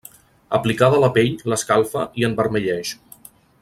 Aplicada a la pell l'escalfa i envermelleix.